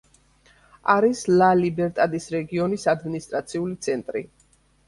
არის ლა-ლიბერტადის რეგიონის ადმინისტრაციული ცენტრი.